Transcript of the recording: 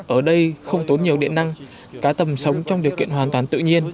ở đây không tốn nhiều điện năng cá tầm sống trong điều kiện hoàn toàn tự nhiên